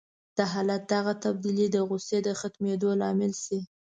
د حالت دغه تبديلي د غوسې د ختمېدو لامل شي.